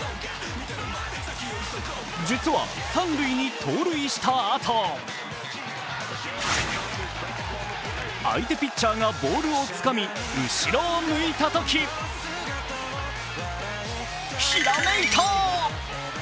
実は三塁に盗塁したあと相手ピッチャーがボールをつかみ後ろを向いたときひらめいた！